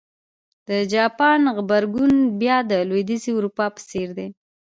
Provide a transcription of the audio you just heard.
د جاپان غبرګون بیا د لوېدیځې اروپا په څېر و.